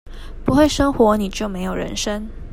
不會生活，你就沒有人生